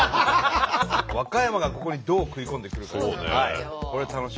和歌山がここにどう食い込んでくるかですよ。